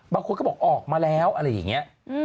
บางคนก็บอกออกมาแล้วอะไรอย่างนี้